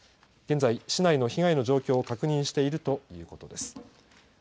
現在、市内の被害の状況を確認しているということです。